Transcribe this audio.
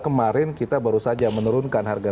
kemarin kita baru saja menurunkan harga